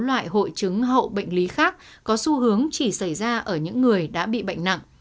các loại hội chứng hậu bệnh lý khác có xu hướng chỉ xảy ra ở những người đã bị bệnh nặng